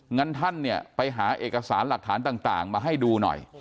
งั้นท่านเนี่ยไปหาเอกสารหลักฐานต่างมาให้ดูหน่อย